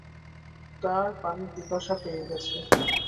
তার পানির পিপাসা পেয়ে গেছে।